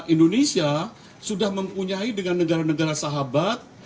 indonesia sudah mempunyai dengan negara negara sahabat